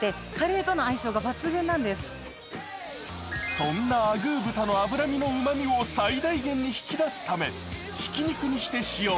そんなアグー豚の甘みのうまみを最大限に引き出すためひき肉にして使用。